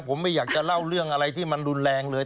ผมไม่อยากจะเล่าเรื่องอะไรที่มันรุนแรงเลย